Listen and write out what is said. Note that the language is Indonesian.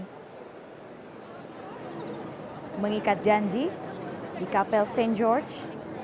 setelah jam lagi pangeran harry dan meghan markle akan mengikat janji di kapel st george